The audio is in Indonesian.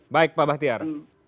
baik pak bahtiar